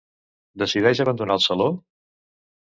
Decideix abandonar el saló?